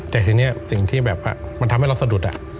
แต่ทีนี้สิ่งที่แบบว่ามันทำให้เราสะดุด